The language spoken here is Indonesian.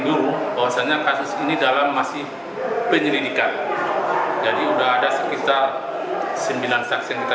kepolisian resor nia selatan sumatera utara juga menggelar otopsi jenazah korban